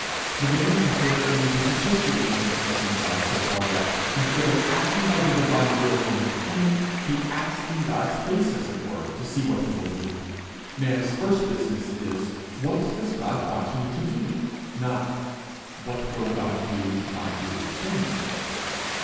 The man is therein dissociating himself from God so far that, instead of acting by the divine will from within, he acts in God's face, as it were, to see what he will do. Man's first business is, "What does God want me to do?" not "What will God do if I do so and so?"